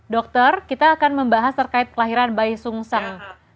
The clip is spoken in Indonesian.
dokter kita akan membahas terkait kelahiran bayi sungseng